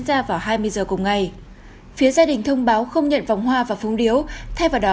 ra vào hai mươi giờ cùng ngày phía gia đình thông báo không nhận vòng hoa và phúng điếu thay vào đó